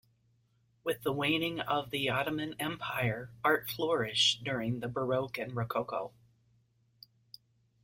With the waning of the Ottoman Empire, art flourished during the Baroque and Rococo.